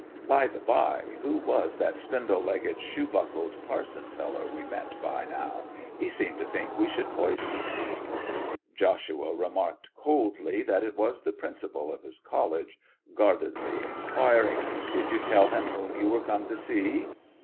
By the bye, who was that spindle legged, shoe buckled parson feller we met by now? He seemed to think we should poison him!' Joshua remarked coldly that it was the principal of his college, guardedly inquiring, 'Did you tell him whom you were come to see?